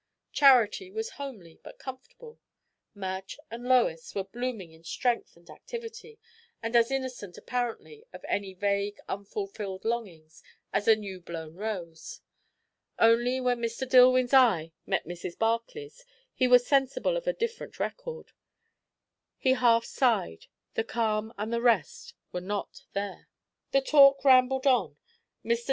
Charity was homely, but comfortable. Madge and Lois were blooming in strength and activity, and as innocent apparently of any vague, unfulfilled longings as a new blown rose. Only when Mr. Dillwyn's eye met Mrs. Barclay's he was sensible of a different record. He half sighed. The calm and the rest were not there. The talk rambled on. Mr.